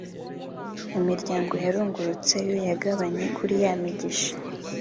imiryango yarungurutseyo yagabanye kuri ya migisha